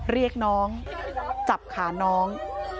เรียกน้องจับขาน้อง